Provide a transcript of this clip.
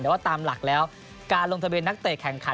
แต่ว่าตามหลักแล้วการลงทะเบียนนักเตะแข่งขัน